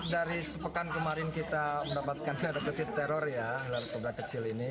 dari sepekan kemarin kita mendapatkan teror ya ular kobra kecil ini